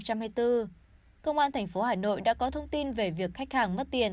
công an tp hcm đã có thông tin về việc khách hàng mất tiền